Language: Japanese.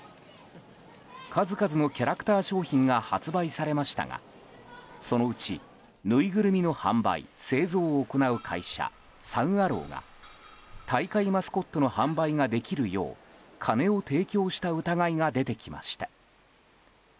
数々のキャラクター商品が発売されましたがそのうち、ぬいぐるみの販売・製造を行う会社サン・アローが大会マスコットの販売ができるよう金を提供した疑いが出てきました。